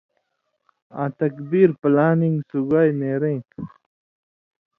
آں تکبیر (پلانِنگ) سُگائ نېریں تُھو،